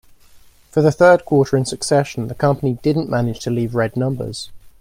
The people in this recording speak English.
For the third quarter in succession, the company didn't manage to leave red numbers.